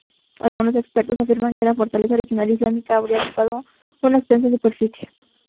Algunos expertos afirman que la fortaleza original islámica habría ocupado una extensa superficie.